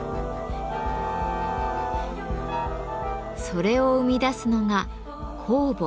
それを生み出すのが「酵母」。